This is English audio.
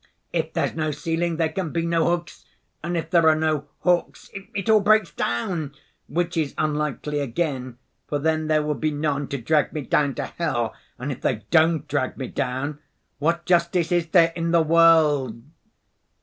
If there's no ceiling there can be no hooks, and if there are no hooks it all breaks down, which is unlikely again, for then there would be none to drag me down to hell, and if they don't drag me down what justice is there in the world?